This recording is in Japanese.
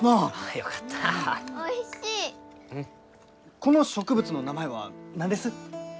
この植物の名前は何です？